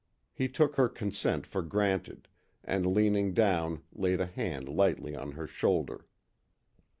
He took her consent for granted, and leaning down laid a hand lightly on her shoulder.